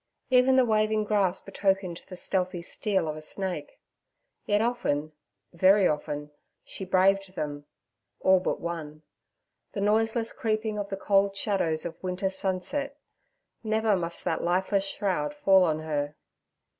Even the waving grass betokened the stealthy steal of a snake. Yet often, very often, she braved them—all but one—the noiseless creeping of the cold shadows of winter's sunset: never must that lifeless shroud fall on her.